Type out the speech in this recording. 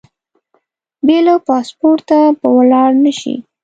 بې له پاسپورټه به ولاړ نه شې.